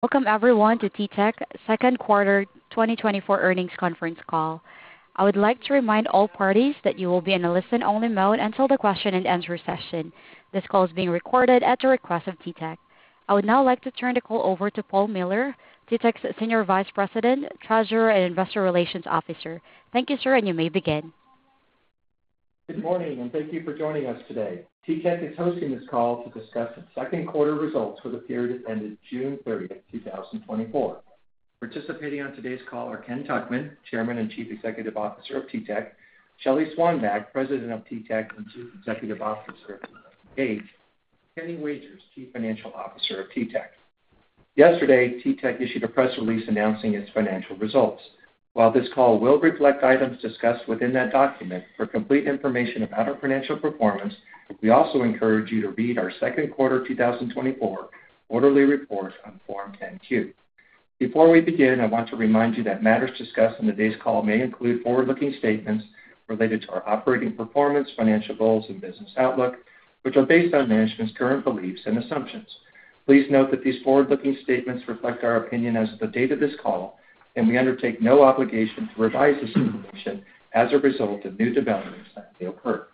Welcome everyone to TTEC's Second Quarter 2024 Earnings Conference Call. I would like to remind all parties that you will be in a listen-only mode until the question and answer session. This call is being recorded at the request of TTEC. I would now like to turn the call over to Paul Miller, TTEC's Senior Vice President, Treasurer, and Investor Relations Officer. Thank you, sir, and you may begin. Good morning, and thank you for joining us today. TTEC is hosting this call to discuss its second quarter results for the period ended June 30, 2024. Participating on today's call are Ken Tuchman, Chairman and Chief Executive Officer of TTEC. Shelly Swanback, President of TTEC and Chief Executive Officer of Engage. Kenny Wagers, Chief Financial Officer of TTEC. Yesterday, TTEC issued a press release announcing its financial results. While this call will reflect items discussed within that document, for complete information about our financial performance, we also encourage you to read our second quarter 2024 quarterly report on Form 10-Q. Before we begin, I want to remind you that matters discussed in today's call may include forward-looking statements related to our operating performance, financial goals, and business outlook, which are based on management's current beliefs and assumptions. Please note that these forward-looking statements reflect our opinion as of the date of this call, and we undertake no obligation to revise this information as a result of new developments that may occur.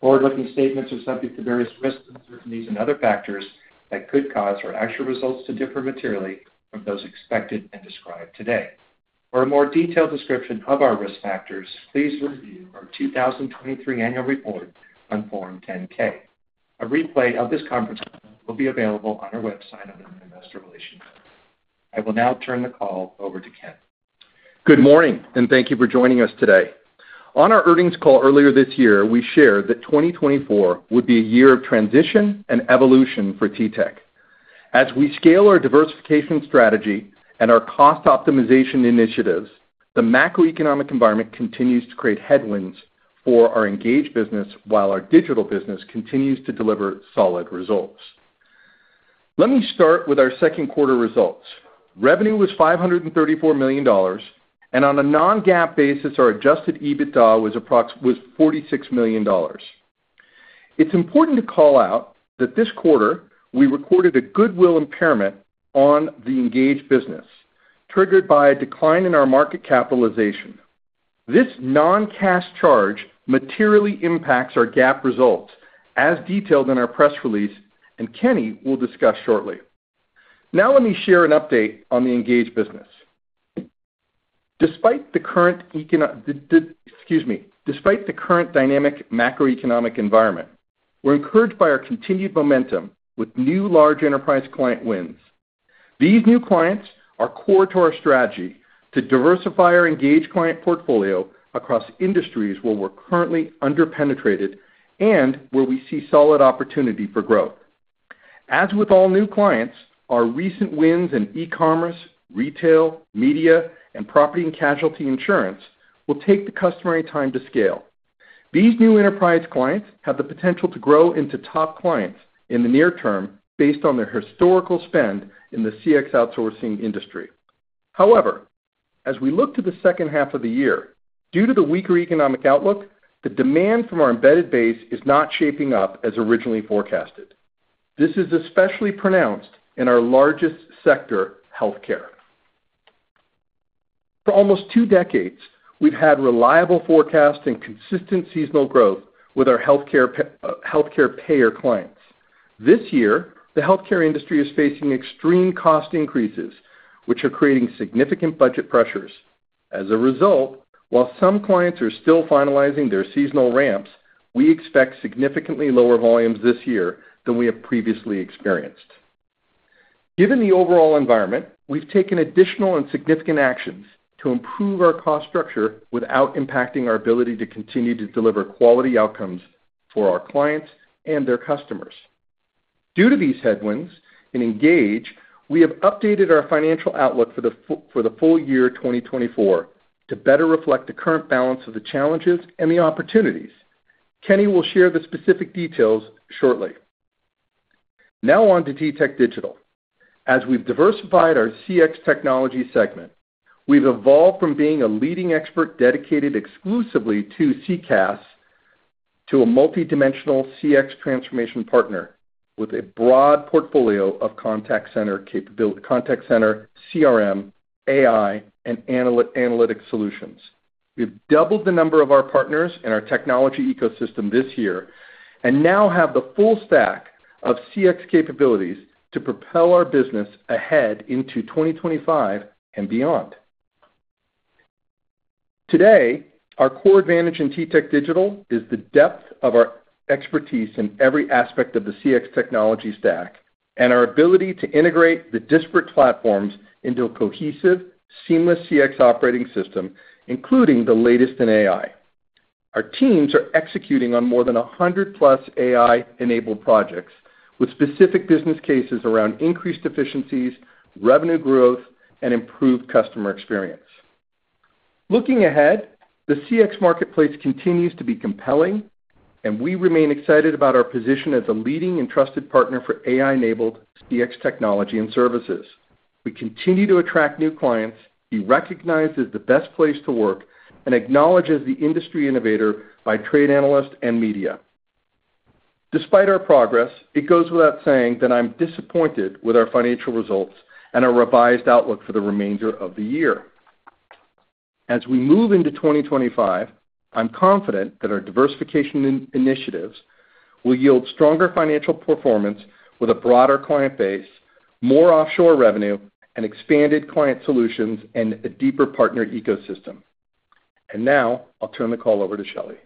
Forward-looking statements are subject to various risks, uncertainties, and other factors that could cause our actual results to differ materially from those expected and described today. For a more detailed description of our risk factors, please review our 2023 annual report on Form 10-K. A replay of this conference call will be available on our website under the investor relations tab. I will now turn the call over to Ken. Good morning, and thank you for joining us today. On our earnings call earlier this year, we shared that 2024 would be a year of transition and evolution for TTEC. As we scale our diversification strategy and our cost optimization initiatives, the macroeconomic environment continues to create headwinds for our Engage business, while our Digital business continues to deliver solid results. Let me start with our second quarter results. Revenue was $534 million, and on a non-GAAP basis, our adjusted EBITDA was $46 million. It's important to call out that this quarter, we recorded a goodwill impairment on the Engage business, triggered by a decline in our market capitalization. This non-cash charge materially impacts our GAAP results, as detailed in our press release, and Kenny will discuss shortly. Now let me share an update on the Engage business. Despite the current dynamic macroeconomic environment, we're encouraged by our continued momentum with new large enterprise client wins. These new clients are core to our strategy to diversify our Engage client portfolio across industries where we're currently under-penetrated and where we see solid opportunity for growth. As with all new clients, our recent wins in e-commerce, retail, media, and property and casualty insurance will take the customary time to scale. These new enterprise clients have the potential to grow into top clients in the near term based on their historical spend in the CX outsourcing industry. However, as we look to the second half of the year, due to the weaker economic outlook, the demand from our embedded base is not shaping up as originally forecasted. This is especially pronounced in our largest sector, healthcare. For almost two decades, we've had reliable forecasts and consistent seasonal growth with our healthcare payer clients. This year, the healthcare industry is facing extreme cost increases, which are creating significant budget pressures. As a result, while some clients are still finalizing their seasonal ramps, we expect significantly lower volumes this year than we have previously experienced. Given the overall environment, we've taken additional and significant actions to improve our cost structure without impacting our ability to continue to deliver quality outcomes for our clients and their customers. Due to these headwinds in Engage, we have updated our financial outlook for the full year 2024 to better reflect the current balance of the challenges and the opportunities. Kenny will share the specific details shortly. Now on to TTEC Digital. As we've diversified our CX technology segment, we've evolved from being a leading expert dedicated exclusively to CCaaS to a multidimensional CX transformation partner with a broad portfolio of contact center, CRM, AI, and analytics solutions. We've doubled the number of our partners in our technology ecosystem this year, and now have the full stack of CX capabilities to propel our business ahead into 2025 and beyond. Today, our core advantage in TTEC Digital is the depth of our expertise in every aspect of the CX technology stack, and our ability to integrate the disparate platforms into a cohesive, seamless CX operating system, including the latest in AI. Our teams are executing on more than 100+ AI-enabled projects, with specific business cases around increased efficiencies, revenue growth, and improved customer experience. Looking ahead, the CX marketplace continues to be compelling, and we remain excited about our position as a leading and trusted partner for AI-enabled CX technology and services. We continue to attract new clients, be recognized as the best place to work, and acknowledged as the industry innovator by trade analysts and media. ... Despite our progress, it goes without saying that I'm disappointed with our financial results and our revised outlook for the remainder of the year. As we move into 2025, I'm confident that our diversification in initiatives will yield stronger financial performance with a broader client base, more offshore revenue, and expanded client solutions, and a deeper partner ecosystem. And now, I'll turn the call over to Shelley.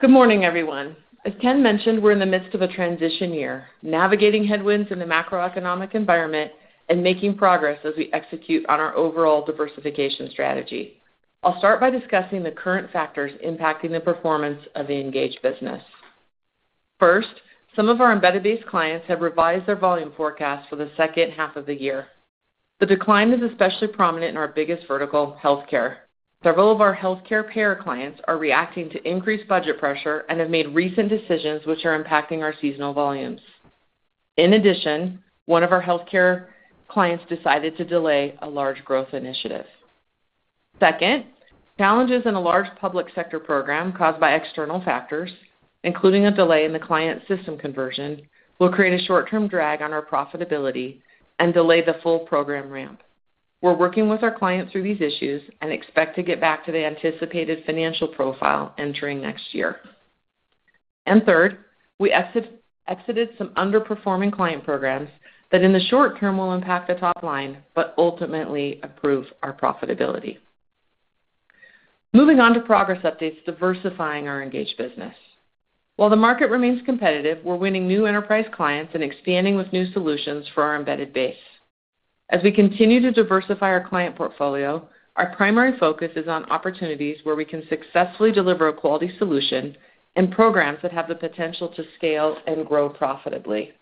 Good morning, everyone. As Ken mentioned, we're in the midst of a transition year, navigating headwinds in the macroeconomic environment and making progress as we execute on our overall diversification strategy. I'll start by discussing the current factors impacting the performance of the Engage business. First, some of our embedded base clients have revised their volume forecast for the second half of the year. The decline is especially prominent in our biggest vertical, healthcare. Several of our healthcare payer clients are reacting to increased budget pressure and have made recent decisions which are impacting our seasonal volumes. In addition, one of our healthcare clients decided to delay a large growth initiative. Second, challenges in a large public sector program caused by external factors, including a delay in the client system conversion, will create a short-term drag on our profitability and delay the full program ramp. We're working with our clients through these issues and expect to get back to the anticipated financial profile entering next year. And third, we exited some underperforming client programs that, in the short term, will impact the top line, but ultimately improve our profitability. Moving on to progress updates, diversifying our Engage business. While the market remains competitive, we're winning new enterprise clients and expanding with new solutions for our embedded base. As we continue to diversify our client portfolio, our primary focus is on opportunities where we can successfully deliver a quality solution and programs that have the potential to scale and grow profitably.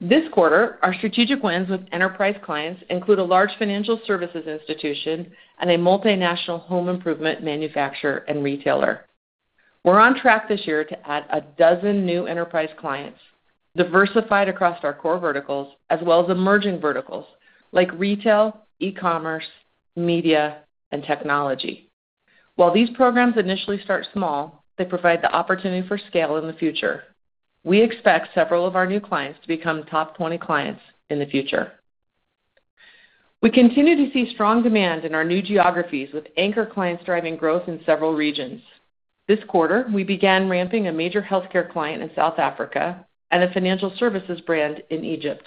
This quarter, our strategic wins with enterprise clients include a large financial services institution and a multinational home improvement manufacturer and retailer. We're on track this year to add 12 new enterprise clients, diversified across our core verticals, as well as emerging verticals like retail, e-commerce, media, and technology. While these programs initially start small, they provide the opportunity for scale in the future. We expect several of our new clients to become top 20 clients in the future. We continue to see strong demand in our new geographies, with anchor clients driving growth in several regions. This quarter, we began ramping a major healthcare client in South Africa and a financial services brand in Egypt.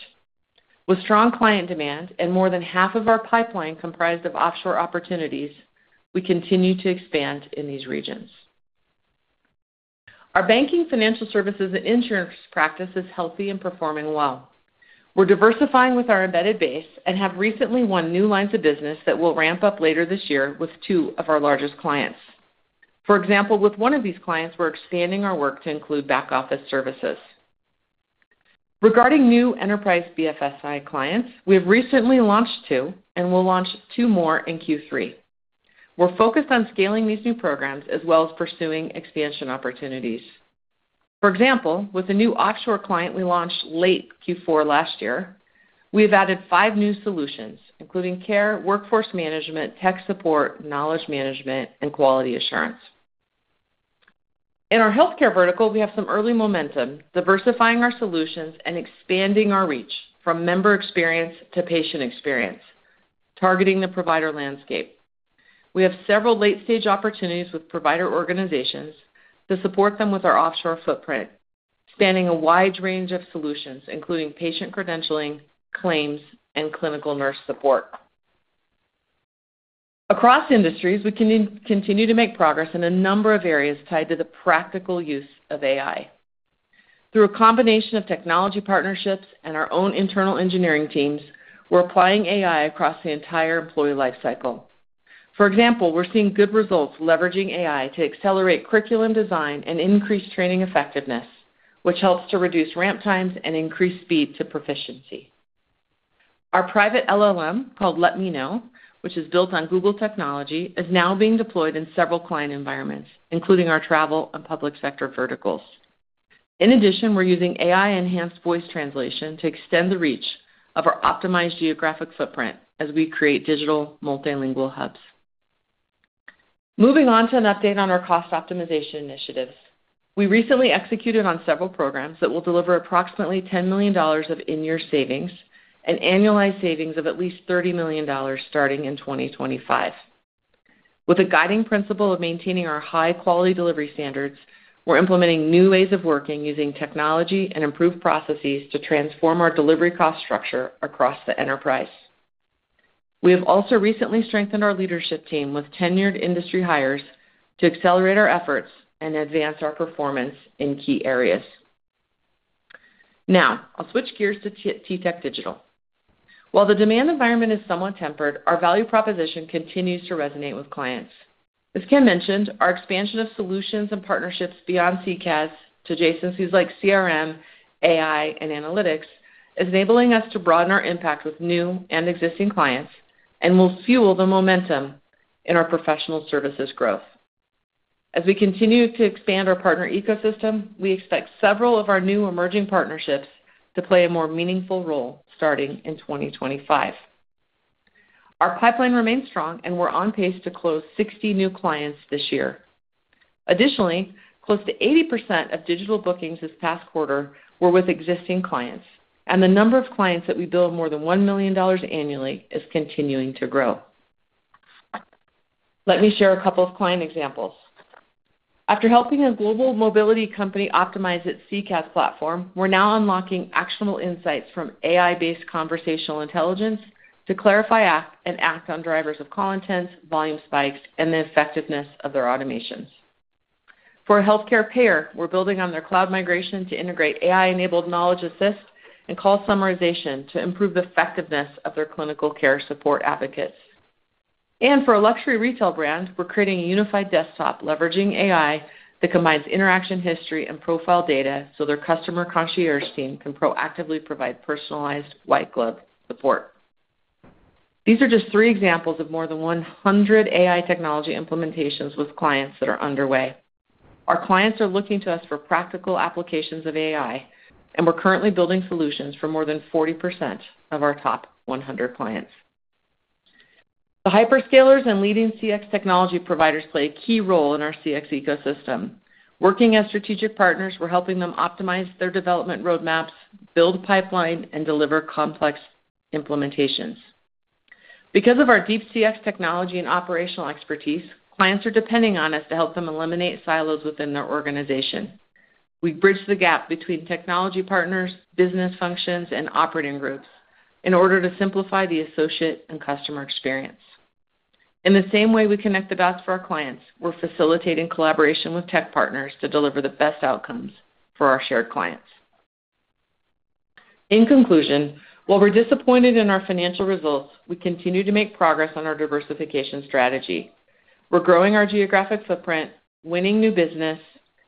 With strong client demand and more than half of our pipeline comprised of offshore opportunities, we continue to expand in these regions. Our banking, financial services, and insurance practice is healthy and performing well. We're diversifying with our embedded base and have recently won new lines of business that will ramp up later this year with two of our largest clients. For example, with one of these clients, we're expanding our work to include back-office services. Regarding new enterprise BFSI clients, we have recently launched two, and we'll launch two more in Q3. We're focused on scaling these new programs as well as pursuing expansion opportunities. For example, with a new offshore client we launched late Q4 last year, we have added five new solutions, including care, workforce management, tech support, knowledge management, and quality assurance. In our healthcare vertical, we have some early momentum, diversifying our solutions and expanding our reach from member experience to patient experience, targeting the provider landscape. We have several late-stage opportunities with provider organizations to support them with our offshore footprint, spanning a wide range of solutions, including patient credentialing, claims, and clinical nurse support. Across industries, we continue to make progress in a number of areas tied to the practical use of AI. Through a combination of technology partnerships and our own internal engineering teams, we're applying AI across the entire employee lifecycle. For example, we're seeing good results leveraging AI to accelerate curriculum design and increase training effectiveness, which helps to reduce ramp times and increase speed to proficiency. Our private LLM, called Let Me Know, which is built on Google technology, is now being deployed in several client environments, including our travel and public sector verticals. In addition, we're using AI-enhanced voice translation to extend the reach of our optimized geographic footprint as we create digital multilingual hubs. Moving on to an update on our cost optimization initiatives. We recently executed on several programs that will deliver approximately $10 million of in-year savings and annualized savings of at least $30 million, starting in 2025. With the guiding principle of maintaining our high-quality delivery standards, we're implementing new ways of working, using technology and improved processes to transform our delivery cost structure across the enterprise. We have also recently strengthened our leadership team with tenured industry hires to accelerate our efforts and advance our performance in key areas. Now, I'll switch gears to TTEC Digital. While the demand environment is somewhat tempered, our value proposition continues to resonate with clients. As Ken mentioned, our expansion of solutions and partnerships beyond CCaaS to adjacencies like CRM, AI, and analytics, is enabling us to broaden our impact with new and existing clients and will fuel the momentum in our professional services growth. As we continue to expand our partner ecosystem, we expect several of our new emerging partnerships to play a more meaningful role starting in 2025.... Our pipeline remains strong, and we're on pace to close 60 new clients this year. Additionally, close to 80% of digital bookings this past quarter were with existing clients, and the number of clients that we bill more than $1 million annually is continuing to grow. Let me share a couple of client examples. After helping a global mobility company optimize its CCaaS platform, we're now unlocking actionable insights from AI-based conversational intelligence to clarify, act, and act on drivers of call intents, volume spikes, and the effectiveness of their automations. For a healthcare payer, we're building on their cloud migration to integrate AI-enabled knowledge assist and call summarization to improve the effectiveness of their clinical care support advocates. For a luxury retail brand, we're creating a unified desktop leveraging AI that combines interaction, history, and profile data, so their customer concierge team can proactively provide personalized white-glove support. These are just three examples of more than 100 AI technology implementations with clients that are underway. Our clients are looking to us for practical applications of AI, and we're currently building solutions for more than 40% of our top 100 clients. The hyperscalers and leading CX technology providers play a key role in our CX ecosystem. Working as strategic partners, we're helping them optimize their development roadmaps, build pipeline, and deliver complex implementations. Because of our deep CX technology and operational expertise, clients are depending on us to help them eliminate silos within their organization. We bridge the gap between technology partners, business functions, and operating groups in order to simplify the associate and customer experience. In the same way we connect the dots for our clients, we're facilitating collaboration with tech partners to deliver the best outcomes for our shared clients. In conclusion, while we're disappointed in our financial results, we continue to make progress on our diversification strategy. We're growing our geographic footprint, winning new business,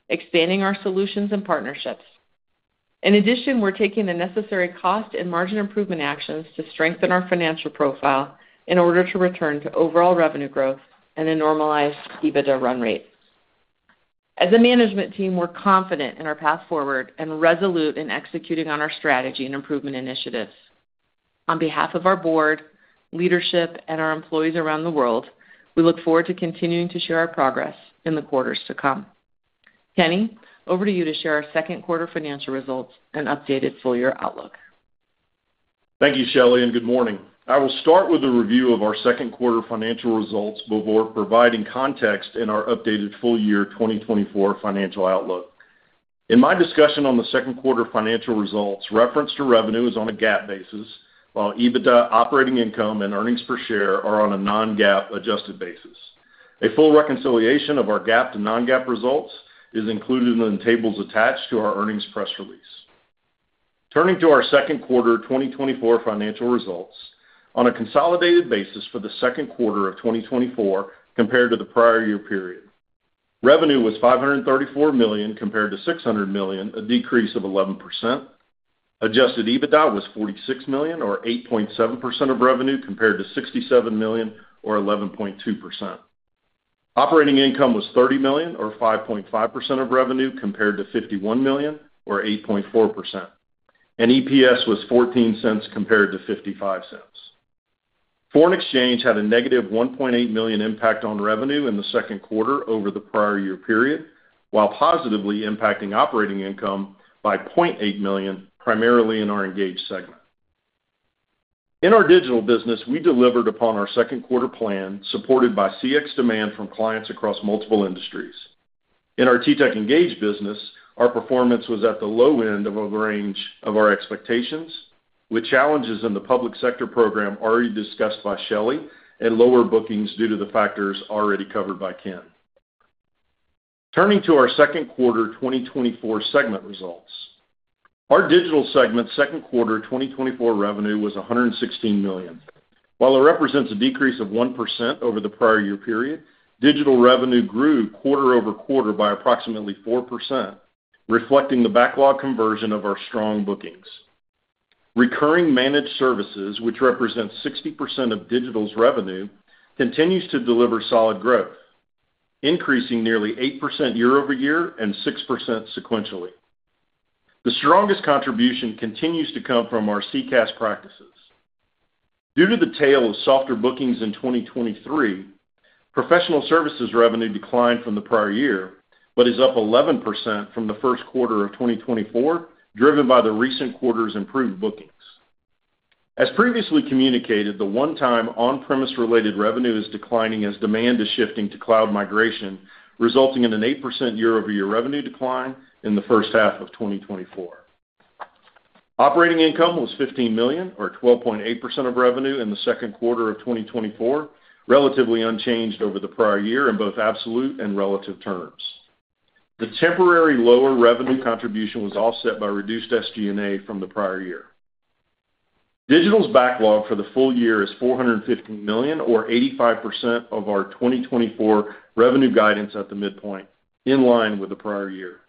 expanding our solutions and partnerships. In addition, we're taking the necessary cost and margin improvement actions to strengthen our financial profile in order to return to overall revenue growth and a normalized EBITDA run rate. As a management team, we're confident in our path forward and resolute in executing on our strategy and improvement initiatives. On behalf of our board, leadership, and our employees around the world, we look forward to continuing to share our progress in the quarters to come. Kenny, over to you to share our second quarter financial results and updated full-year outlook. Thank you, Shelley, and good morning. I will start with a review of our second quarter financial results before providing context in our updated full-year 2024 financial outlook. In my discussion on the second quarter financial results, reference to revenue is on a GAAP basis, while EBITDA, operating income, and earnings per share are on a non-GAAP adjusted basis. A full reconciliation of our GAAP to non-GAAP results is included in the tables attached to our earnings press release. Turning to our second quarter 2024 financial results. On a consolidated basis for the second quarter of 2024 compared to the prior year period, revenue was $534 million compared to $600 million, a decrease of 11%. Adjusted EBITDA was $46 million, or 8.7% of revenue, compared to $67 million or 11.2%. Operating income was $30 million, or 5.5% of revenue, compared to $51 million or 8.4%, and EPS was $0.14 compared to $0.55. Foreign exchange had a -$1.8 million impact on revenue in the second quarter over the prior year period, while positively impacting operating income by $0.8 million, primarily in our Engage segment. In our digital business, we delivered upon our second quarter plan, supported by CX demand from clients across multiple industries. In our TTEC Engage business, our performance was at the low end of a range of our expectations, with challenges in the public sector program already discussed by Shelley and lower bookings due to the factors already covered by Ken. Turning to our second quarter 2024 segment results. Our digital segment second quarter 2024 revenue was $116 million. While it represents a decrease of 1% over the prior year period, digital revenue grew quarter-over-quarter by approximately 4%, reflecting the backlog conversion of our strong bookings. Recurring managed services, which represents 60% of digital's revenue, continues to deliver solid growth, increasing nearly 8% year-over-year and 6% sequentially. The strongest contribution continues to come from our CCaaS practices. Due to the tail of softer bookings in 2023, professional services revenue declined from the prior year, but is up 11% from the first quarter of 2024, driven by the recent quarter's improved bookings. As previously communicated, the one-time on-premise related revenue is declining as demand is shifting to cloud migration, resulting in an 8% year-over-year revenue decline in the first half of 2024. Operating income was $15 million, or 12.8% of revenue in the second quarter of 2024, relatively unchanged over the prior year in both absolute and relative terms. The temporary lower revenue contribution was offset by reduced SG&A from the prior year. Digital's backlog for the full year is $450 million, or 85% of our 2024 revenue guidance at the midpoint, in line with the prior year.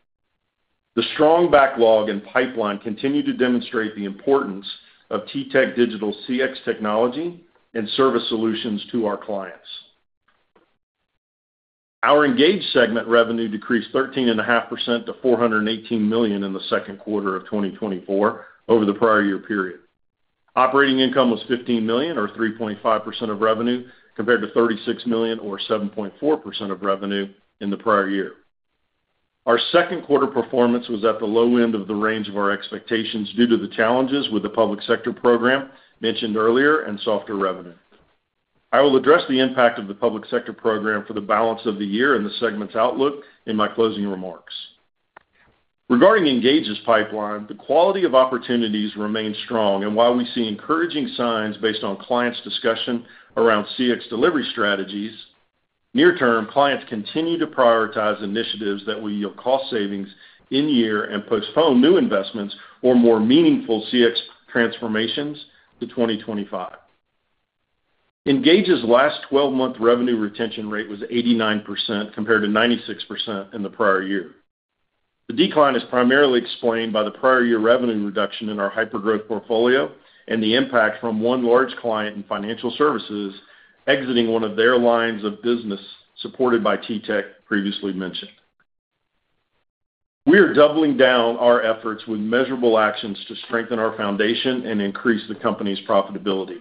The strong backlog and pipeline continue to demonstrate the importance of TTEC Digital's CX technology and service solutions to our clients.... Our Engage segment revenue decreased 13.5% to $418 million in the second quarter of 2024 over the prior year period. Operating income was $15 million, or 3.5% of revenue, compared to $36 million, or 7.4% of revenue in the prior year. Our second quarter performance was at the low end of the range of our expectations due to the challenges with the public sector program mentioned earlier and softer revenue. I will address the impact of the public sector program for the balance of the year and the segment's outlook in my closing remarks. Regarding Engage's pipeline, the quality of opportunities remains strong, and while we see encouraging signs based on clients' discussion around CX delivery strategies, near term, clients continue to prioritize initiatives that will yield cost savings in year and postpone new investments or more meaningful CX transformations to 2025. Engage's last twelve-month revenue retention rate was 89%, compared to 96% in the prior year. The decline is primarily explained by the prior year revenue reduction in our hyper-growth portfolio and the impact from one large client in financial services exiting one of their lines of business supported by TTEC previously mentioned. We are doubling down our efforts with measurable actions to strengthen our foundation and increase the company's profitability.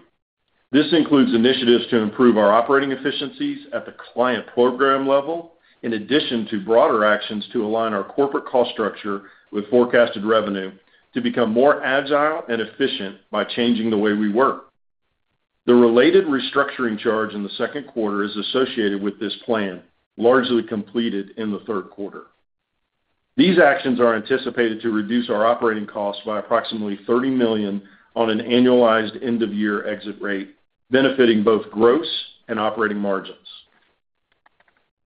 This includes initiatives to improve our operating efficiencies at the client program level, in addition to broader actions to align our corporate cost structure with forecasted revenue to become more agile and efficient by changing the way we work. The related restructuring charge in the second quarter is associated with this plan, largely completed in the third quarter. These actions are anticipated to reduce our operating costs by approximately $30 million on an annualized end-of-year exit rate, benefiting both gross and operating margins.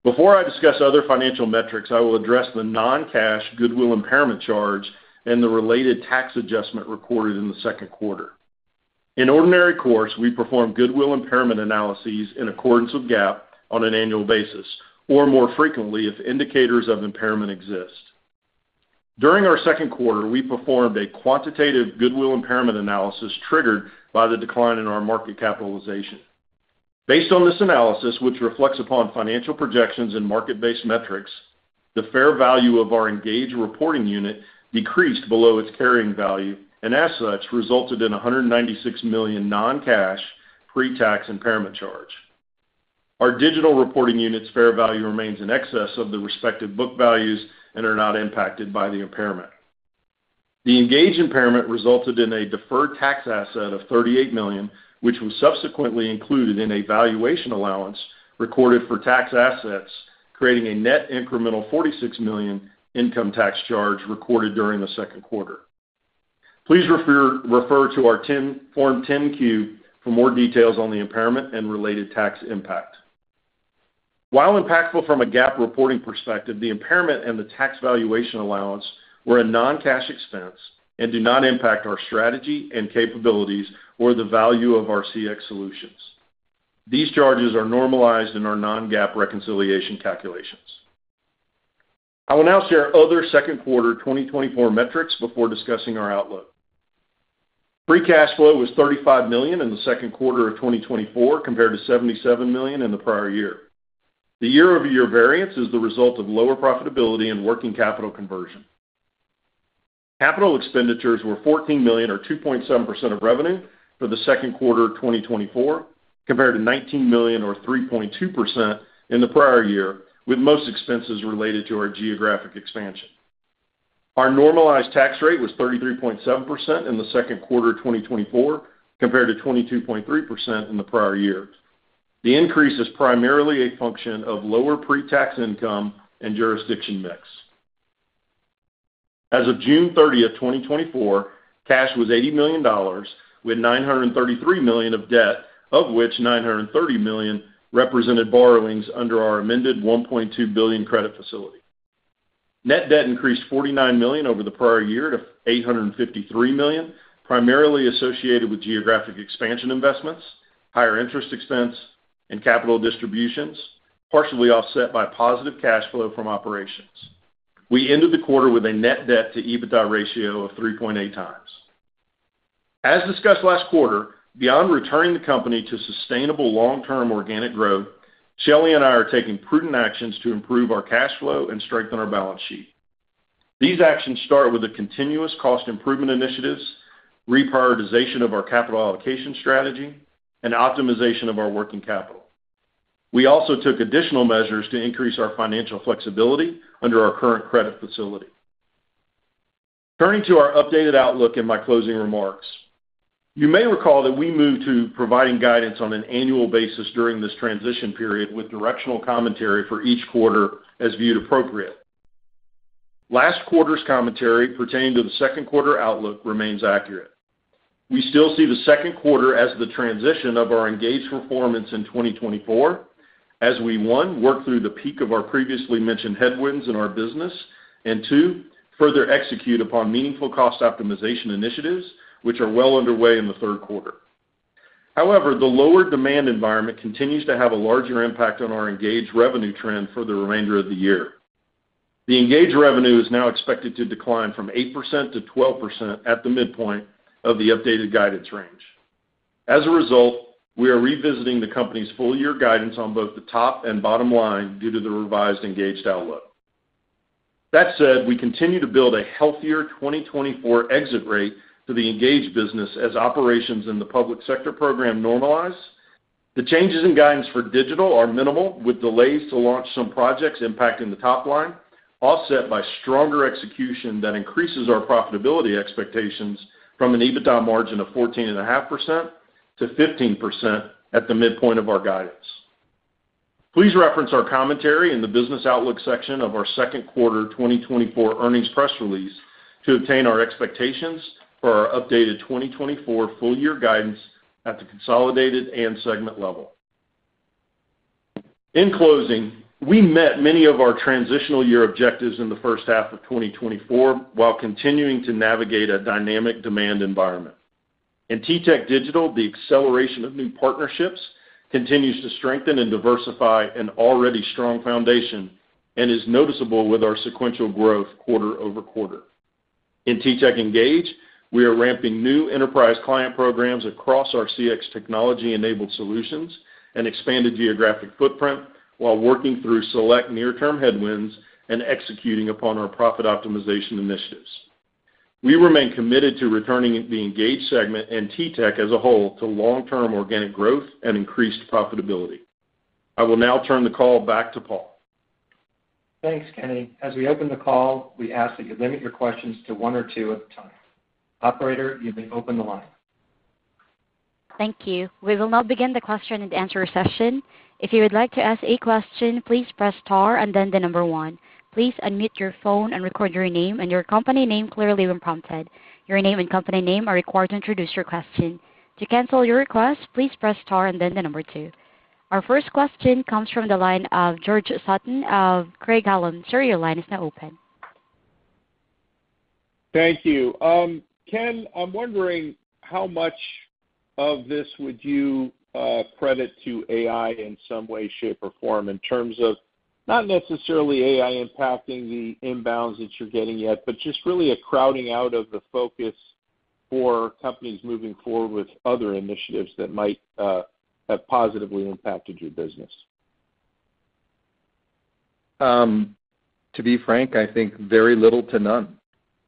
Before I discuss other financial metrics, I will address the non-cash goodwill impairment charge and the related tax adjustment recorded in the second quarter. In ordinary course, we perform goodwill impairment analyses in accordance with GAAP on an annual basis, or more frequently, if indicators of impairment exist. During our second quarter, we performed a quantitative goodwill impairment analysis triggered by the decline in our market capitalization. Based on this analysis, which reflects upon financial projections and market-based metrics, the fair value of our Engage reporting unit decreased below its carrying value, and as such, resulted in a $196 million non-cash pre-tax impairment charge. Our digital reporting unit's fair value remains in excess of the respective book values and are not impacted by the impairment. The Engage impairment resulted in a deferred tax asset of $38 million, which was subsequently included in a valuation allowance recorded for tax assets, creating a net incremental $46 million income tax charge recorded during the second quarter. Please refer to our Form 10-Q for more details on the impairment and related tax impact. While impactful from a GAAP reporting perspective, the impairment and the tax valuation allowance were a non-cash expense and do not impact our strategy and capabilities or the value of our CX solutions. These charges are normalized in our non-GAAP reconciliation calculations. I will now share other second quarter 2024 metrics before discussing our outlook. Free cash flow was $35 million in the second quarter of 2024, compared to $77 million in the prior year. The year-over-year variance is the result of lower profitability and working capital conversion. Capital expenditures were $14 million, or 2.7% of revenue, for the second quarter of 2024, compared to $19 million, or 3.2%, in the prior year, with most expenses related to our geographic expansion. Our normalized tax rate was 33.7% in the second quarter of 2024, compared to 22.3% in the prior year. The increase is primarily a function of lower pre-tax income and jurisdiction mix. As of June thirtieth, 2024, cash was $80 million, with $933 million of debt, of which $930 million represented borrowings under our amended $1.2 billion credit facility. Net debt increased $49 million over the prior year to $853 million, primarily associated with geographic expansion investments, higher interest expense and capital distributions, partially offset by positive cash flow from operations. We ended the quarter with a net debt to EBITDA ratio of 3.8 times. As discussed last quarter, beyond returning the company to sustainable long-term organic growth, Shelley and I are taking prudent actions to improve our cash flow and strengthen our balance sheet. These actions start with the continuous cost improvement initiatives, reprioritization of our capital allocation strategy, and optimization of our working capital. We also took additional measures to increase our financial flexibility under our current credit facility. Turning to our updated outlook and my closing remarks, you may recall that we moved to providing guidance on an annual basis during this transition period, with directional commentary for each quarter as viewed appropriate. Last quarter's commentary pertaining to the second quarter outlook remains accurate. We still see the second quarter as the transition of our Engage performance in 2024 as we, one, work through the peak of our previously mentioned headwinds in our business, and two, further execute upon meaningful cost optimization initiatives, which are well underway in the third quarter. However, the lower demand environment continues to have a larger impact on our Engage revenue trend for the remainder of the year. The Engage revenue is now expected to decline 8%-12% at the midpoint of the updated guidance range. As a result, we are revisiting the company's full year guidance on both the top and bottom line due to the revised Engage outlook. That said, we continue to build a healthier 2024 exit rate for the Engage business as operations in the public sector program normalize. The changes in guidance for Digital are minimal, with delays to launch some projects impacting the top line, offset by stronger execution that increases our profitability expectations from an EBITDA margin of 14.5% to 15% at the midpoint of our guidance. Please reference our commentary in the business outlook section of our second quarter 2024 earnings press release to obtain our expectations for our updated 2024 full year guidance at the consolidated and segment level. In closing, we met many of our transitional year objectives in the first half of 2024, while continuing to navigate a dynamic demand environment. In TTEC Digital, the acceleration of new partnerships continues to strengthen and diversify an already strong foundation and is noticeable with our sequential growth quarter-over-quarter. In TTEC Engage, we are ramping new enterprise client programs across our CX technology-enabled solutions and expanded geographic footprint while working through select near-term headwinds and executing upon our profit optimization initiatives. We remain committed to returning the Engage segment and TTEC as a whole to long-term organic growth and increased profitability. I will now turn the call back to Paul. Thanks, Kenny. As we open the call, we ask that you limit your questions to one or two at a time. Operator, you may open the line. Thank you. We will now begin the question-and-answer session. If you would like to ask a question, please press star and then the number one. Please unmute your phone and record your name and your company name clearly when prompted. Your name and company name are required to introduce your question. To cancel your request, please press star and then the number two. Our first question comes from the line of George Sutton of Craig-Hallum. Sir, your line is now open. Thank you. Ken, I'm wondering how much of this would you credit to AI in some way, shape, or form in terms of not necessarily AI impacting the inbounds that you're getting yet, but just really a crowding out of the focus for companies moving forward with other initiatives that might have positively impacted your business? To be frank, I think very little to none.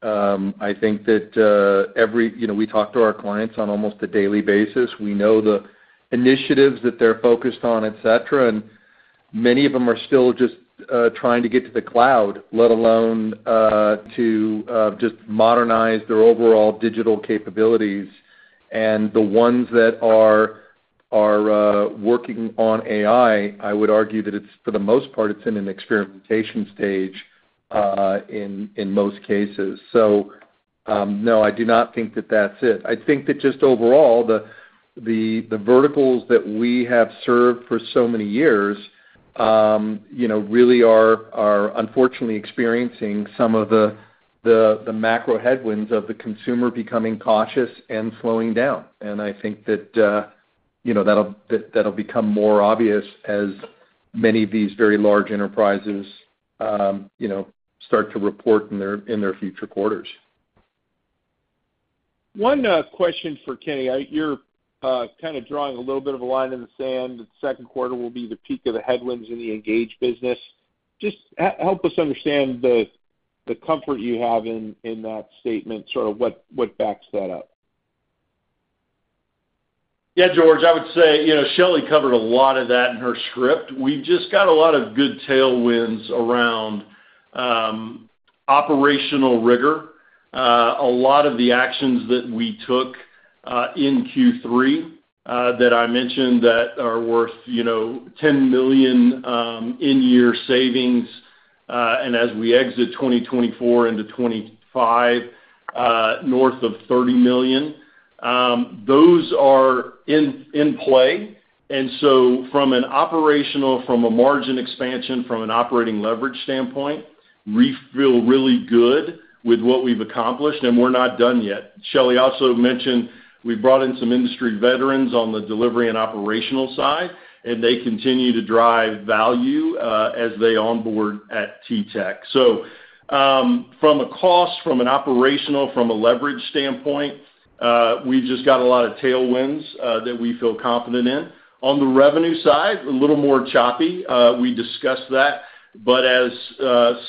I think that every you know, we talk to our clients on almost a daily basis. We know the initiatives that they're focused on, et cetera, and many of them are still just trying to get to the cloud, let alone to just modernize their overall digital capabilities. And the ones that are working on AI, I would argue that it's, for the most part, it's in an experimentation stage in most cases. So, no, I do not think that that's it. I think that just overall, the verticals that we have served for so many years, you know, really are unfortunately experiencing some of the macro headwinds of the consumer becoming cautious and slowing down. I think that, you know, that'll become more obvious as many of these very large enterprises, you know, start to report in their future quarters. One question for Kenny. You're kind of drawing a little bit of a line in the sand, that second quarter will be the peak of the headwinds in the Engage business. Just help us understand the comfort you have in that statement, sort of what backs that up? Yeah, George, I would say, you know, Shelley covered a lot of that in her script. We've just got a lot of good tailwinds around, operational rigor. A lot of the actions that we took, in Q3, that I mentioned, that are worth, you know, $10 million in-year savings, and as we exit 2024 into 2025, north of $30 million, those are in, in play. And so from an operational, from a margin expansion, from an operating leverage standpoint, we feel really good with what we've accomplished, and we're not done yet. Shelley also mentioned we brought in some industry veterans on the delivery and operational side, and they continue to drive value, as they onboard at TTEC. So, from a cost, from an operational, from a leverage standpoint, we've just got a lot of tailwinds that we feel confident in. On the revenue side, a little more choppy. We discussed that, but as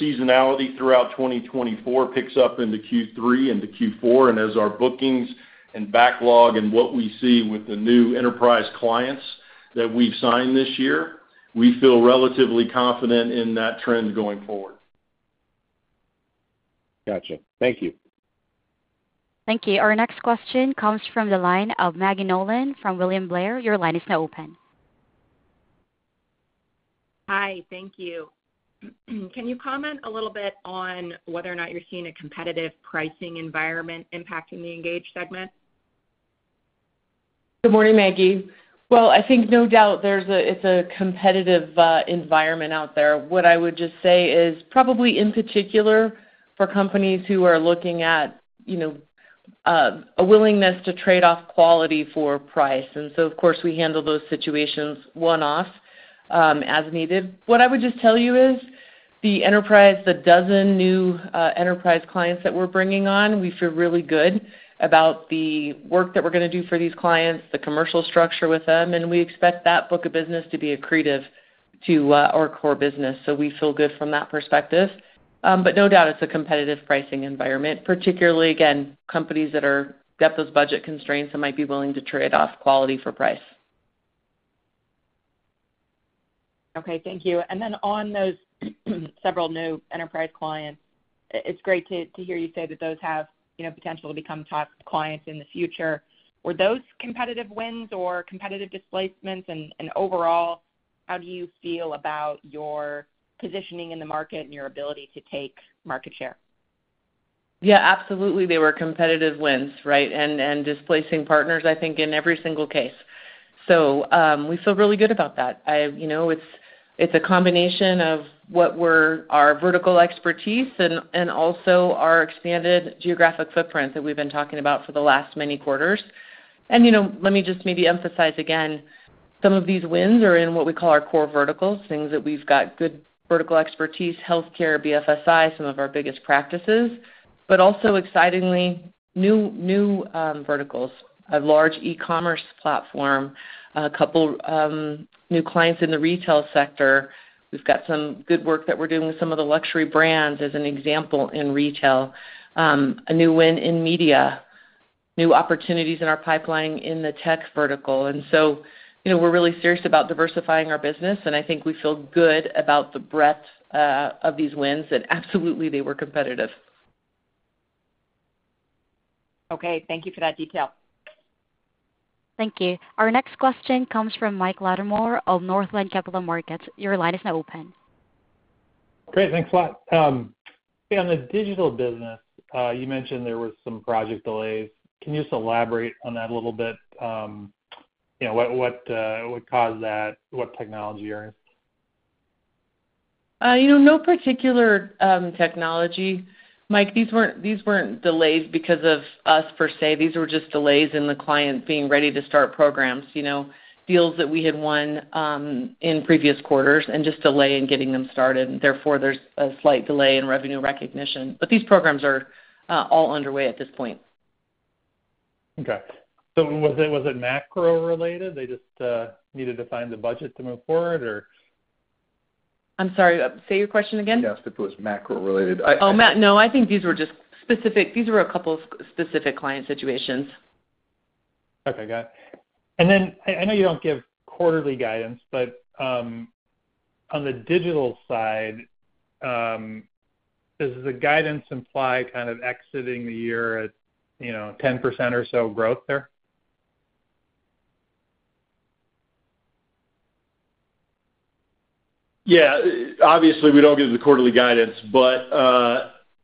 seasonality throughout 2024 picks up into Q3, into Q4, and as our bookings and backlog and what we see with the new enterprise clients that we've signed this year, we feel relatively confident in that trend going forward. Gotcha. Thank you. Thank you. Our next question comes from the line of Maggie Nolan from William Blair. Your line is now open. Hi, thank you. Can you comment a little bit on whether or not you're seeing a competitive pricing environment impacting the Engage segment? Good morning, Maggie. Well, I think no doubt it's a competitive environment out there. What I would just say is probably, in particular,... for companies who are looking at, you know, a willingness to trade off quality for price. And so, of course, we handle those situations one-off, as needed. What I would just tell you is, the enterprise, the 12 new enterprise clients that we're bringing on, we feel really good about the work that we're gonna do for these clients, the commercial structure with them, and we expect that book of business to be accretive to our core business. So we feel good from that perspective. But no doubt, it's a competitive pricing environment, particularly, again, companies that got those budget constraints and might be willing to trade off quality for price. Okay, thank you. And then on those several new enterprise clients, it's great to hear you say that those have, you know, potential to become top clients in the future. Were those competitive wins or competitive displacements? And overall, how do you feel about your positioning in the market and your ability to take market share? Yeah, absolutely, they were competitive wins, right? And displacing partners, I think, in every single case. So, we feel really good about that. You know, it's a combination of what we're... Our vertical expertise and also our expanded geographic footprint that we've been talking about for the last many quarters. And, you know, let me just maybe emphasize again, some of these wins are in what we call our core verticals, things that we've got good vertical expertise, healthcare, BFSI, some of our biggest practices. But also excitingly, new verticals, a large e-commerce platform, a couple new clients in the retail sector. We've got some good work that we're doing with some of the luxury brands as an example in retail. A new win in media, new opportunities in our pipeline in the tech vertical. And so, you know, we're really serious about diversifying our business, and I think we feel good about the breadth of these wins, and absolutely they were competitive. Okay, thank you for that detail. Thank you. Our next question comes from Mike Latimore of Northland Capital Markets. Your line is now open. Great, thanks a lot. On the digital business, you mentioned there were some project delays. Can you just elaborate on that a little bit? You know, what caused that? What technology are you in? You know, no particular technology, Mike. These weren't, these weren't delays because of us, per se. These were just delays in the client being ready to start programs, you know, deals that we had won in previous quarters and just delay in getting them started, and therefore, there's a slight delay in revenue recognition. But these programs are all underway at this point. Okay. So was it, was it macro-related? They just needed to find the budget to move forward, or? I'm sorry, say your question again. Yes, if it was macro-related. I- I think these were just specific... These were a couple of specific client situations. Okay, got it. And then I know you don't give quarterly guidance, but on the digital side, does the guidance imply kind of exiting the year at, you know, 10% or so growth there? Yeah. Obviously, we don't give the quarterly guidance, but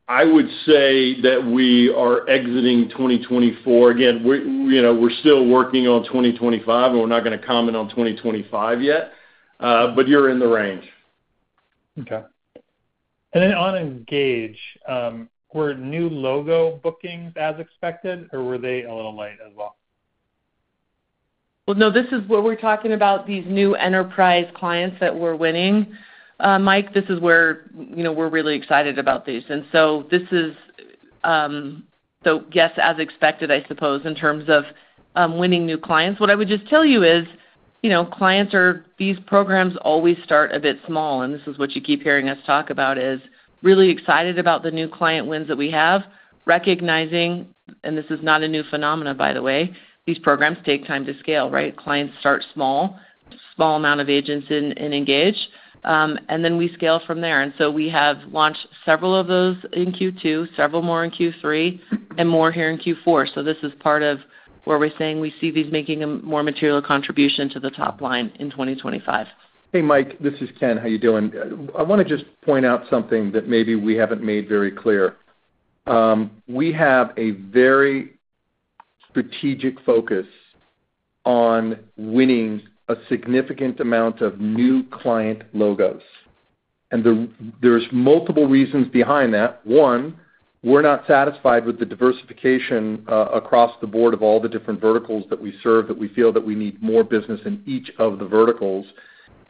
I would say that we are exiting 2024. Again, we, you know, we're still working on 2025, and we're not gonna comment on 2025 yet, but you're in the range. Okay. And then on Engage, were new logo bookings as expected, or were they a little light as well? Well, no, this is where we're talking about these new enterprise clients that we're winning. Mike, this is where, you know, we're really excited about these. And so this is, so yes, as expected, I suppose, in terms of winning new clients. What I would just tell you is, you know, clients, these programs always start a bit small, and this is what you keep hearing us talk about, is really excited about the new client wins that we have, recognizing, and this is not a new phenomenon, by the way, these programs take time to scale, right? Clients start small, small amount of agents in Engage, and then we scale from there. And so we have launched several of those in Q2, several more in Q3, and more here in Q4. This is part of where we're saying we see these making a more material contribution to the top line in 2025. Hey, Mike, this is Ken. How are you doing? I wanna just point out something that maybe we haven't made very clear. We have a very strategic focus on winning a significant amount of new client logos, and there, there's multiple reasons behind that. One, we're not satisfied with the diversification across the board of all the different verticals that we serve, that we feel that we need more business in each of the verticals.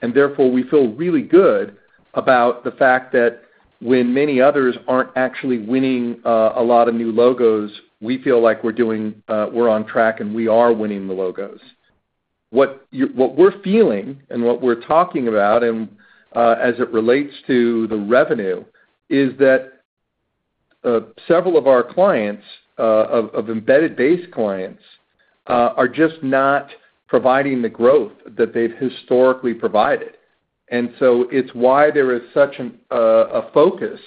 And therefore, we feel really good about the fact that when many others aren't actually winning a lot of new logos, we feel like we're doing, we're on track, and we are winning the logos. What we're feeling and what we're talking about, and, as it relates to the revenue, is that several of our embedded base clients are just not providing the growth that they've historically provided. And so it's why there is such a focus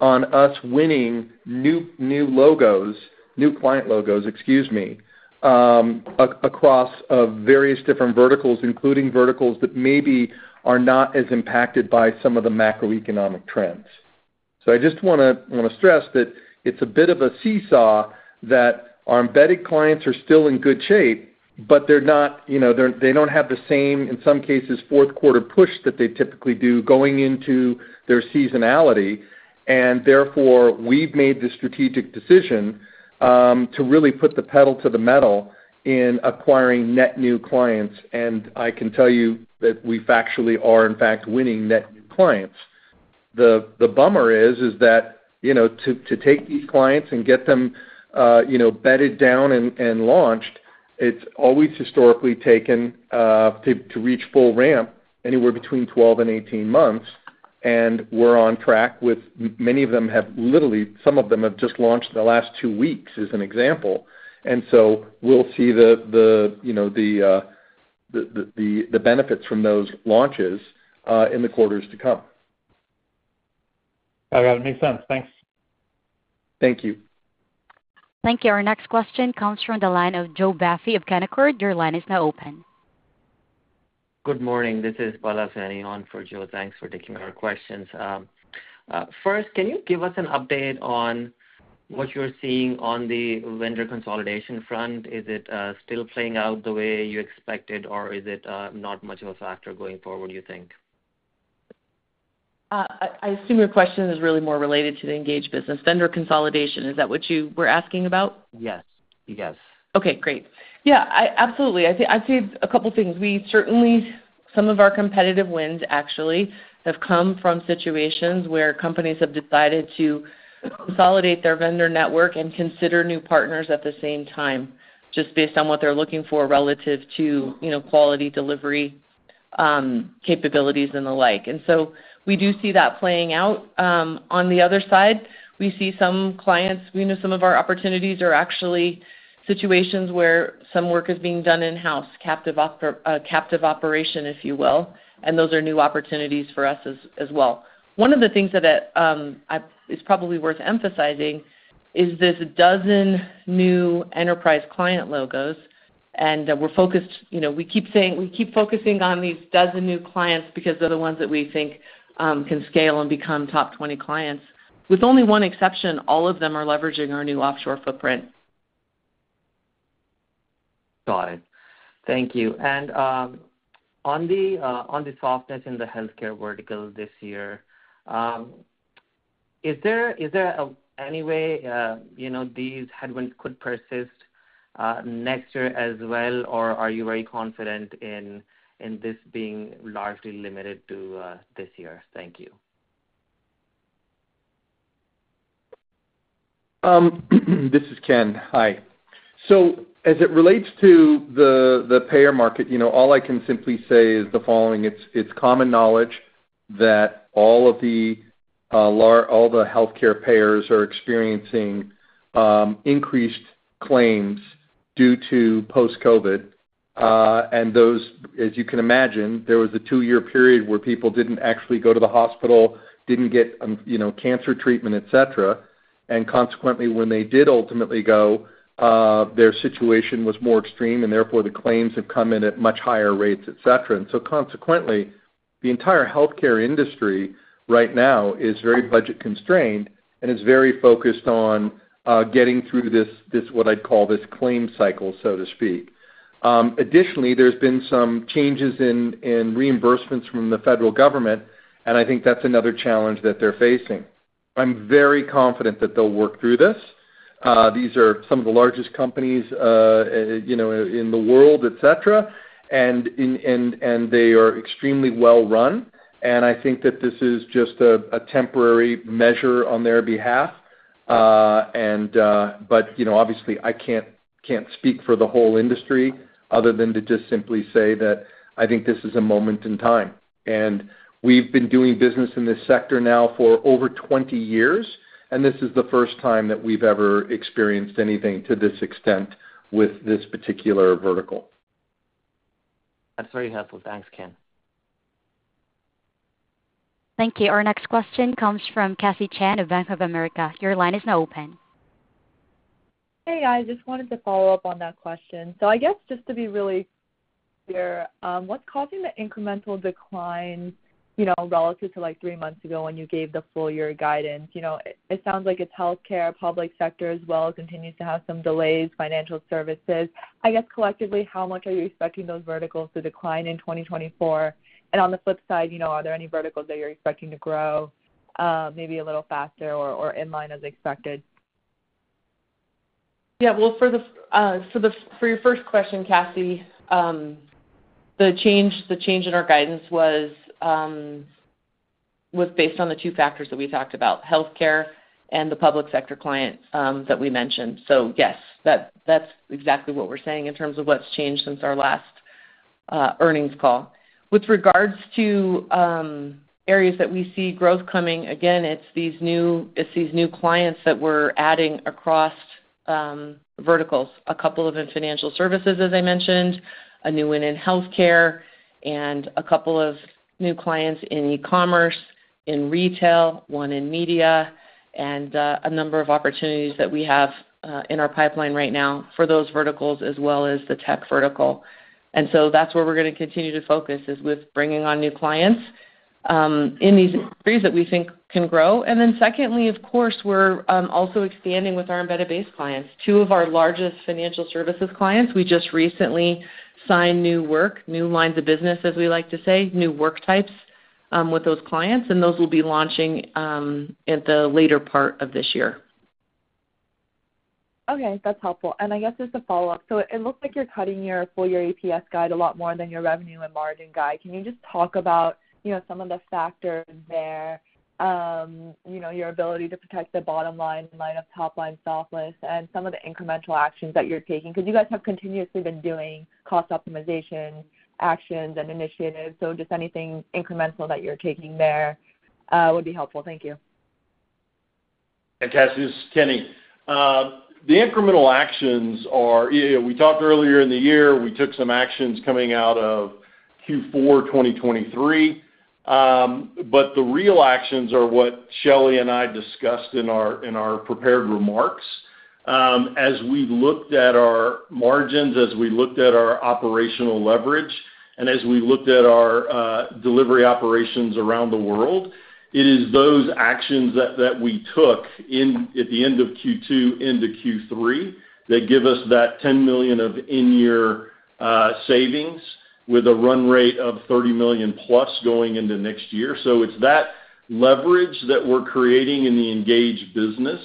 on us winning new logos, new client logos, excuse me, across various different verticals, including verticals that maybe are not as impacted by some of the macroeconomic trends. So I just wanna stress that it's a bit of a seesaw, that our embedded clients are still in good shape... But they're not, you know, they don't have the same, in some cases, fourth quarter push that they typically do going into their seasonality, and therefore, we've made the strategic decision to really put the pedal to the metal in acquiring net new clients. And I can tell you that we factually are, in fact, winning net new clients. The bummer is that, you know, to take these clients and get them, you know, bedded down and launched, it's always historically taken to reach full ramp anywhere between 12 and 18 months, and we're on track with many of them have literally, some of them have just launched in the last 2 weeks, as an example. And so we'll see the, you know, the benefits from those launches in the quarters to come. I got it. Makes sense. Thanks. Thank you. Thank you. Our next question comes from the line of Joe Vafi of Canaccord. Your line is now open. Good morning. This is Palash on for Joe. Thanks for taking our questions. First, can you give us an update on what you're seeing on the vendor consolidation front? Is it still playing out the way you expected, or is it not much of a factor going forward, do you think? I assume your question is really more related to the Engage business. Vendor consolidation, is that what you were asking about? Yes. Yes. Okay, great. Yeah, absolutely. I'd say, I'd say a couple things. We certainly... Some of our competitive wins, actually, have come from situations where companies have decided to consolidate their vendor network and consider new partners at the same time, just based on what they're looking for relative to, you know, quality, delivery, capabilities and the like. And so we do see that playing out. On the other side, we see some clients, we know some of our opportunities are actually situations where some work is being done in-house, captive operation, if you will, and those are new opportunities for us as well. One of the things that is probably worth emphasizing is this dozen new enterprise client logos, and we're focused... You know, we keep saying, we keep focusing on these 12 new clients because they're the ones that we think can scale and become top 20 clients. With only one exception, all of them are leveraging our new offshore footprint. Got it. Thank you. And, on the softness in the healthcare vertical this year, is there any way, you know, these headwinds could persist, next year as well? Or are you very confident in this being largely limited to this year? Thank you. This is Ken. Hi. So as it relates to the payer market, you know, all I can simply say is the following: It's common knowledge that all of the all the healthcare payers are experiencing increased claims due to post-COVID. And those, as you can imagine, there was a two-year period where people didn't actually go to the hospital, didn't get you know, cancer treatment, et cetera. And consequently, when they did ultimately go, their situation was more extreme, and therefore, the claims have come in at much higher rates, et cetera. And so consequently, the entire healthcare industry right now is very budget-constrained and is very focused on getting through this, this what I'd call this claim cycle, so to speak. Additionally, there's been some changes in reimbursements from the federal government, and I think that's another challenge that they're facing. I'm very confident that they'll work through this. These are some of the largest companies, you know, in the world, et cetera, and they are extremely well run. And I think that this is just a temporary measure on their behalf. But, you know, obviously, I can't speak for the whole industry other than to just simply say that I think this is a moment in time. And we've been doing business in this sector now for over 20 years, and this is the first time that we've ever experienced anything to this extent with this particular vertical. That's very helpful. Thanks, Ken. Thank you. Our next question comes from Cassie Chan of Bank of America. Your line is now open. Hey, guys. Just wanted to follow up on that question. So I guess just to be really clear, what's causing the incremental decline, you know, relative to, like, three months ago when you gave the full year guidance? You know, it, it sounds like it's healthcare, public sector as well, continues to have some delays, financial services. I guess collectively, how much are you expecting those verticals to decline in 2024? And on the flip side, you know, are there any verticals that you're expecting to grow, maybe a little faster or, or in line as expected? Yeah. Well, for your first question, Cassie, the change in our guidance was based on the two factors that we talked about: healthcare and the public sector client that we mentioned. So yes, that's exactly what we're saying in terms of what's changed since our last earnings call. With regards to areas that we see growth coming, again, it's these new clients that we're adding across verticals. A couple of them financial services, as I mentioned, a new one in healthcare, and a couple of new clients in e-commerce, in retail, one in media, and a number of opportunities that we have in our pipeline right now for those verticals, as well as the tech vertical. So that's where we're gonna continue to focus, is with bringing on new clients in these industries that we think can grow. Then secondly, of course, we're also expanding with our embedded base clients. Two of our largest financial services clients, we just recently signed new work, new lines of business, as we like to say, new work types with those clients, and those will be launching at the later part of this year. Okay, that's helpful. And I guess just a follow-up. So it looks like you're cutting your full year EPS guide a lot more than your revenue and margin guide. Can you just talk about, you know, some of the factors there, you know, your ability to protect the bottom line in light of top line softness and some of the incremental actions that you're taking? Because you guys have continuously been doing cost optimization actions and initiatives. So just anything incremental that you're taking there, would be helpful. Thank you. And Cassie, this is Kenny. The incremental actions are, yeah, we talked earlier in the year, we took some actions coming out of Q4 2023. But the real actions are what Shelley and I discussed in our, in our prepared remarks. As we've looked at our margins, as we looked at our operational leverage, and as we looked at our delivery operations around the world, it is those actions that we took in at the end of Q2 into Q3, that give us that $10 million of in-year savings, with a run rate of $30 million plus going into next year. So it's that leverage that we're creating in the Engage business,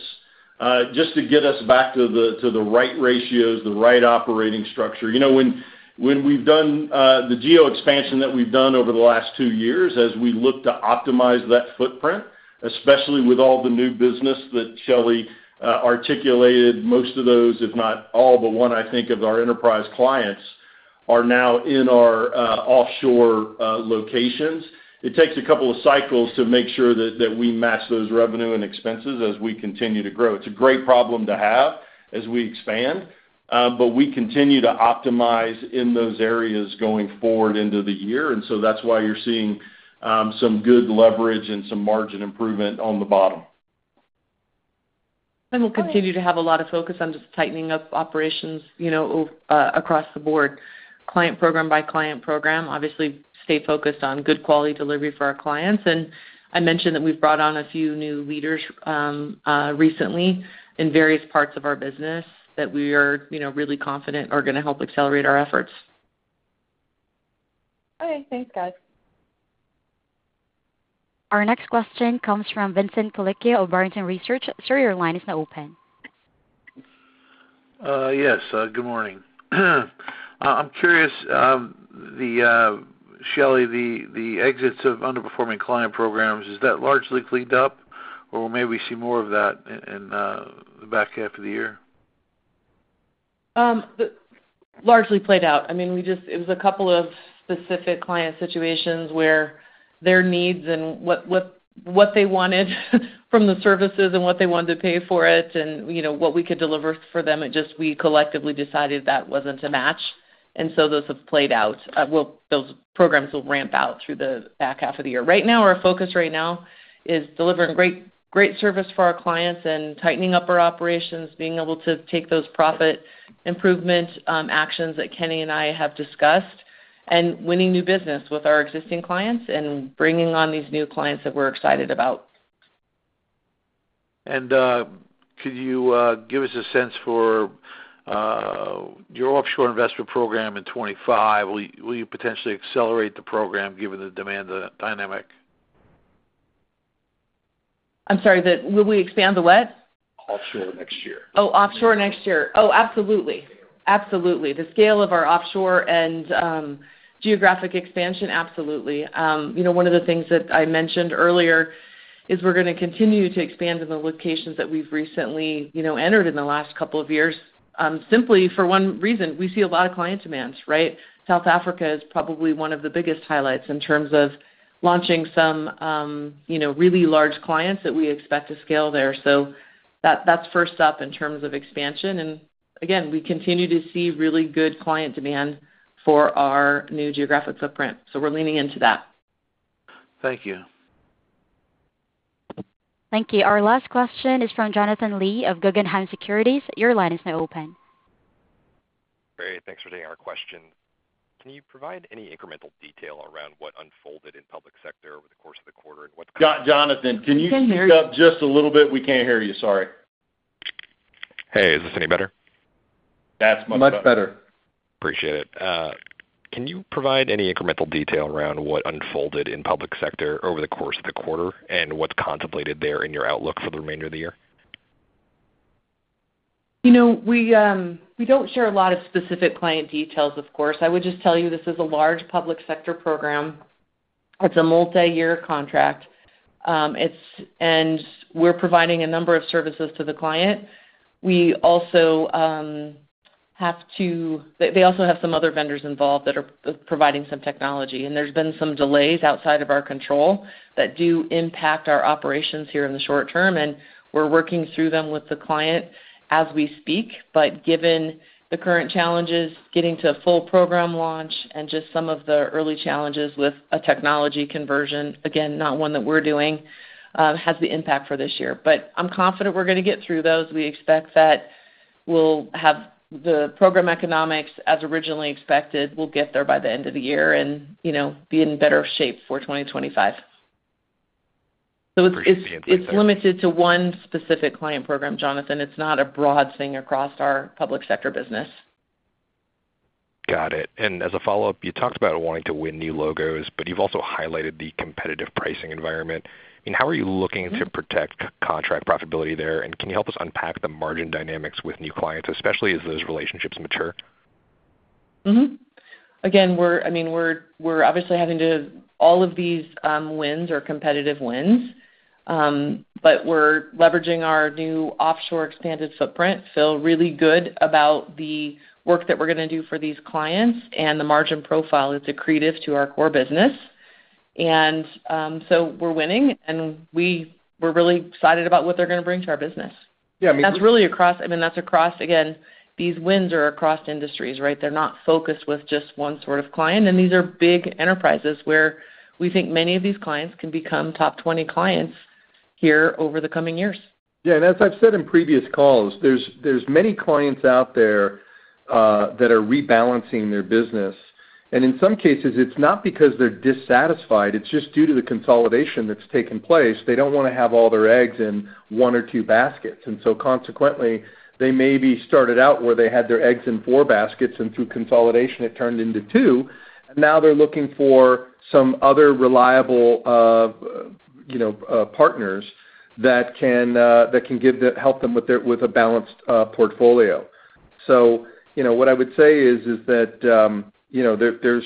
just to get us back to the, to the right ratios, the right operating structure. You know, when, when we've done the geo expansion that we've done over the last two years, as we look to optimize that footprint, especially with all the new business that Shelley articulated, most of those, if not all, but one, I think, of our enterprise clients, are now in our offshore locations. It takes a couple of cycles to make sure that, that we match those revenue and expenses as we continue to grow. It's a great problem to have as we expand, but we continue to optimize in those areas going forward into the year. And so that's why you're seeing some good leverage and some margin improvement on the bottom. We'll continue to have a lot of focus on just tightening up operations, you know, across the board, client program by client program. Obviously, stay focused on good quality delivery for our clients. I mentioned that we've brought on a few new leaders, recently in various parts of our business that we are, you know, really confident are gonna help accelerate our efforts. Okay, thanks, guys. Our next question comes from Vincent Colicchio of Barrington Research. Sir, your line is now open. Yes, good morning. I'm curious, Shelley, the exits of underperforming client programs, is that largely cleaned up, or will maybe we see more of that in the back half of the year? Largely played out. I mean, we just. It was a couple of specific client situations where their needs and what they wanted from the services and what they wanted to pay for it and, you know, what we could deliver for them, it just, we collectively decided that wasn't a match, and so those have played out. Well, those programs will ramp out through the back half of the year. Right now, our focus right now is delivering great, great service for our clients and tightening up our operations, being able to take those profit improvement actions that Kenny and I have discussed, and winning new business with our existing clients and bringing on these new clients that we're excited about. Could you give us a sense for your offshore investment program in 2025? Will you, will you potentially accelerate the program given the demand dynamic? I'm sorry. Will we expand the what? Offshore next year. Oh, offshore next year. Oh, absolutely. Absolutely. The scale of our offshore and geographic expansion, absolutely. You know, one of the things that I mentioned earlier is we're gonna continue to expand in the locations that we've recently you know entered in the last couple of years, simply for one reason, we see a lot of client demands, right? South Africa is probably one of the biggest highlights in terms of launching some you know really large clients that we expect to scale there. So that, that's first up in terms of expansion. And again, we continue to see really good client demand for our new geographic footprint, so we're leaning into that. Thank you. Thank you. Our last question is from Jonathan Lee of Guggenheim Securities. Your line is now open. Great. Thanks for taking our question. Can you provide any incremental detail around what unfolded in public sector over the course of the quarter and what- Jonathan, can you- We can hear you. up just a little bit? We can't hear you, sorry. Hey, is this any better? That's much better. Much better. Appreciate it. Can you provide any incremental detail around what unfolded in public sector over the course of the quarter, and what's contemplated there in your outlook for the remainder of the year? You know, we, we don't share a lot of specific client details, of course. I would just tell you, this is a large public sector program. It's a multiyear contract. It's, and we're providing a number of services to the client. We also. They also have some other vendors involved that are providing some technology, and there's been some delays outside of our control that do impact our operations here in the short term, and we're working through them with the client as we speak. But given the current challenges, getting to a full program launch and just some of the early challenges with a technology conversion, again, not one that we're doing, has the impact for this year. But I'm confident we're gonna get through those. We expect that... We'll have the program economics as originally expected, we'll get there by the end of the year and, you know, be in better shape for 2025. So it's limited to one specific client program, Jonathan. It's not a broad thing across our public sector business. Got it. As a follow-up, you talked about wanting to win new logos, but you've also highlighted the competitive pricing environment. How are you looking to protect contract profitability there? Can you help us unpack the margin dynamics with new clients, especially as those relationships mature? Mm-hmm. Again, I mean, we're obviously having to... All of these wins are competitive wins. But we're leveraging our new offshore expanded footprint. Feel really good about the work that we're gonna do for these clients, and the margin profile is accretive to our core business. And so we're winning, and we're really excited about what they're gonna bring to our business. Yeah, I mean- That's really across—I mean, that's across... Again, these wins are across industries, right? They're not focused with just one sort of client, and these are big enterprises where we think many of these clients can become top 20 clients here over the coming years. Yeah, and as I've said in previous calls, there's many clients out there that are rebalancing their business. And in some cases, it's not because they're dissatisfied, it's just due to the consolidation that's taken place. They don't wanna have all their eggs in one or two baskets. And so consequently, they maybe started out where they had their eggs in four baskets, and through consolidation, it turned into two. Now they're looking for some other reliable, you know, partners that can help them with their, with a balanced, portfolio. So, you know, what I would say is that, you know, there's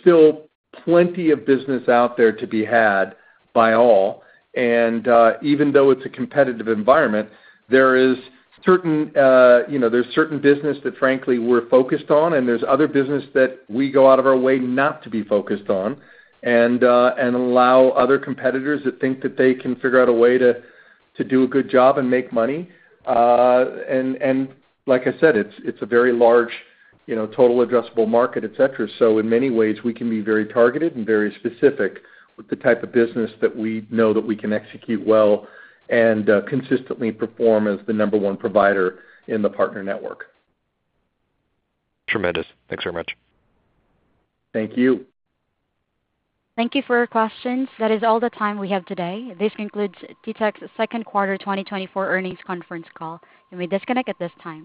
still plenty of business out there to be had by all. And, even though it's a competitive environment, there is certain, you know, there's certain business that, frankly, we're focused on, and there's other business that we go out of our way not to be focused on, and, and like I said, it's, it's a very large, you know, total addressable market, et cetera. So in many ways, we can be very targeted and very specific with the type of business that we know that we can execute well and, consistently perform as the number one provider in the partner network. Tremendous. Thanks very much. Thank you. Thank you for your questions. That is all the time we have today. This concludes TTEC's second quarter 2024 earnings conference call. You may disconnect at this time.